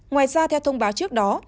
ngoài ra theo thông báo trước đó